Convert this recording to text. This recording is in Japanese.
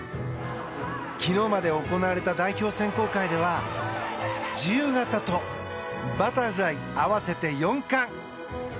昨日まで行われた代表選考会では自由形とバタフライ合わせて４冠。